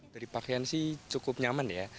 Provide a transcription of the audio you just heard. dari pakaian sih cukup nyaman ya